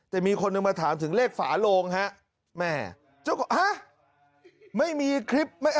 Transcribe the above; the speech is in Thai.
แต่มีคนหนึ่งมาถามถึงเลขฝาโลงฮะแม่ไม่มีคลิป